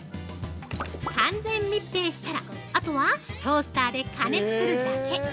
◆完全密閉したらあとはトースターで加熱するだけ。